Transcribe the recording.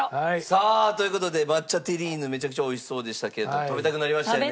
さあという事で抹茶テリーヌめちゃくちゃ美味しそうでしたけれど食べたくなりましたよね？